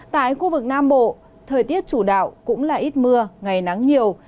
tại khu vực nam bộ thời tiết chủ đạo cũng là ít mưa ngày nắng nhiều